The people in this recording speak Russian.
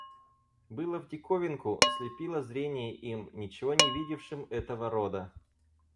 Было в диковинку, слепило зрение им, ничего не видевшим этого рода.